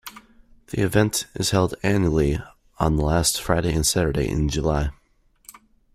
The event is held annually on the last Friday and Saturday in July.